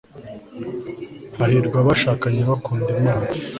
hahirwa abashakanye bakunda imana